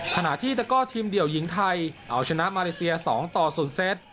ขณะที่แต่ก็ทีมเดี่ยวหญิงไทยเอาชนะมาเลเซียสองต่อศูนย์เซ็ต